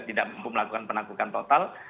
tidak mau melakukan penaklukan total